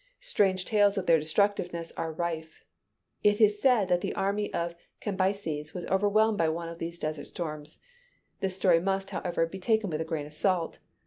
Strange tales of their destructiveness are rife. It is said that the army of Cambyses was overwhelmed by one of these desert storms. This story must, however, be taken "with a grain of salt."